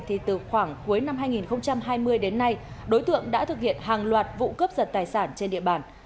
thì từ khoảng cuối năm hai nghìn hai mươi đến nay đối tượng đã thực hiện hàng loạt vụ cướp giật tài sản trên địa bàn